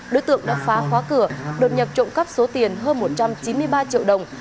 đối tượng đã phá khóa cửa đột nhập trộm cắp số tiền hơn một trăm chín mươi ba triệu đồng